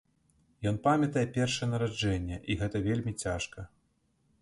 Ён памятае першае нараджэнне, і гэта вельмі цяжка.